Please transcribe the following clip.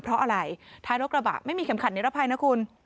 เพราะอะไรท้ายรถกระบะไม่มีเข็มขัดนิรภัยนะคุณ